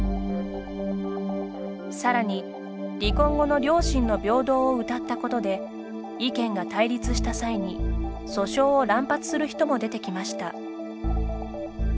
さらに、離婚後の両親の平等をうたったことで意見が対立した際に訴訟を乱発する人も出てきました。